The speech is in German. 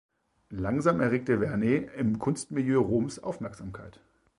Langsam erregte Vernet im Kunstmilieu Roms Aufmerksamkeit.